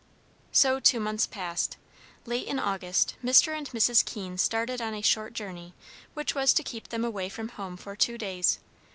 So two months passed. Late in August, Mr. and Mrs Keene started on a short journey which was to keep them away from home for two days.